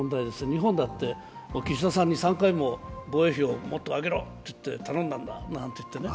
日本だって岸田さんに３回も防衛費をもっと上げろって頼んだんだって言ってね。